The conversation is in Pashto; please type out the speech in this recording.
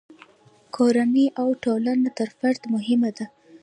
کورنۍ او ټولنه تر فرد مهمه ده.